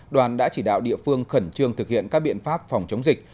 đoàn đã chỉ đạo địa phương khẩn trương thực hiện các biện pháp phòng chống dịch